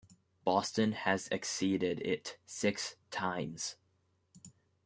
Boston has exceeded it six times.